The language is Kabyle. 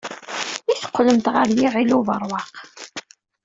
I teqqlemt ɣer Yiɣil Ubeṛwaq?